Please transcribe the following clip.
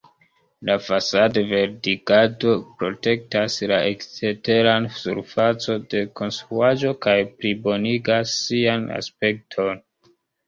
La fasad-verdigado protektas la eksteran surfacon de konstruaĵo kaj plibonigas sian aspekton.